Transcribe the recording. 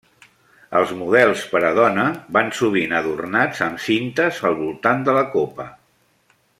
Els models per a dona van sovint adornats amb cintes al voltant de la copa.